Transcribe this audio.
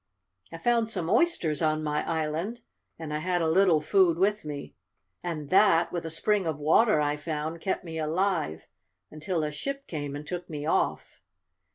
I found some oysters on my island, and I had a little food with me. And that, with a spring of water I found, kept me alive until a ship came and took me off."